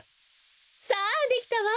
さあできたわ。